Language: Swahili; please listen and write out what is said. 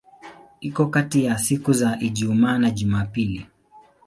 Iko kati ya siku za Ijumaa na Jumapili.